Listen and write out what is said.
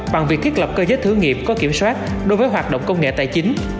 bằng việc thiết lập cơ giới thử nghiệm có kiểm soát đối với hoạt động công nghệ tài chính